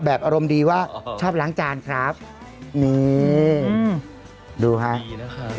แบบอารมณ์ดีว่าชอบล้างจานครับนี่อืมดูค่ะดีนะคะ